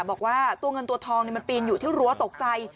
บอกว่าตัวเงินตัวทองมันปีนอยู่ที่รั้วตกใจ